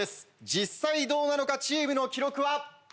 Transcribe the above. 「実際どうなの課チーム」の記録は１６７ｃｍ！